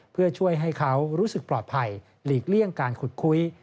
เพื่อช่วยให้เขารู้สึกปลอดภัยหลีกเลี่ยงการขุดคุย